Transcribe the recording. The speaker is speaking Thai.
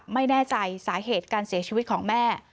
ไม่แน่ใจสาเหตุการเสียชีวิตของแม่